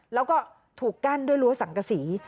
แล้วก็ถูกกั้นด้วยรั้วสังกษี